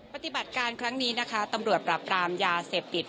ปฏิบัติการครั้งนี้นะคะตำรวจปราบรามยาเสพติด